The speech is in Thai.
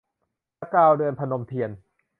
สกาวเดือน - พนมเทียน